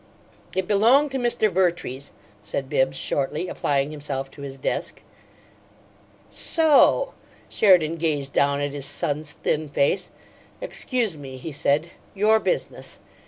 "It belonged to Mr. Vertrees," said Bibbs, shortly, applying himself to his desk. "So!" Sheridan gazed down at his son's thin face. "Excuse me," he said. "Your business."